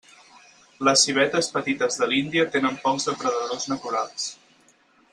Les civetes petites de l'Índia tenen pocs depredadors naturals.